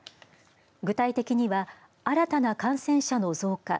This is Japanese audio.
具体的には、新たな感染者の増加